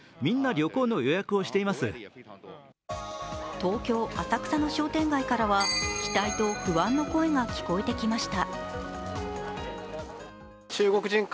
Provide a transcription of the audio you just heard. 東京・浅草の商店街からは期待と不安の声が聞こえてきました。